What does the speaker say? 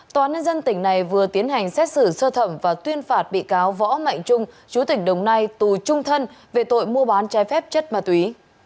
tòa án nhân dân tỉnh này vừa tiến hành xét xử sơ thẩm và tuyên phạt bị cáo võ mạnh trung chú tỉnh đồng nai tù trung thân về tội mua bán chai phép chất ma túy